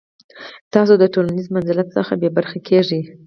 تاسو د ټولنیز منزلت څخه بې برخې کیږئ.